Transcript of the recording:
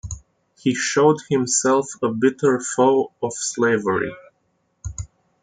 He showed himself a bitter foe of slavery.